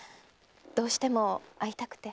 どうしても会いたくて。